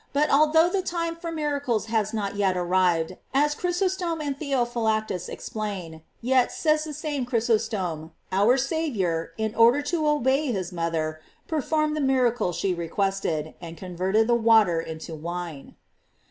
"* But although the time for miracles has not yet arrived, as Chrysostom and Theo philactus explain; yet, says the same Chrysos tom, our Saviour, in order to obey his mother, performed the miracle she requested, and con verted the water into wine.